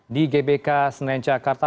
di gbk senenjakarta